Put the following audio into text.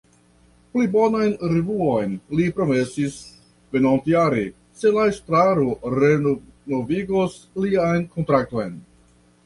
Pli bonan revuon li promesis venontjare se la estraro renovigos lian kontrakton.